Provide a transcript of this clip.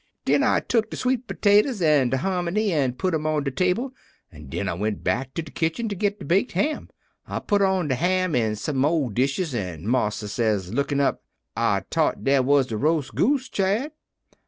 Den I tuk de sweet potatoes an' de hominy an' put 'em on de table, an' den I went back in de kitchen to git de baked ham. I put on de ham an' some mo' dishes, an' marsa says, lookin' up: "'I t'ought dere was a roast goose, Chad.'